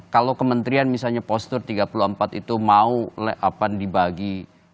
kalau kementerian misalnya postur tiga puluh empat itu mau dibagi